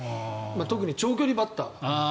特に長距離バッターは。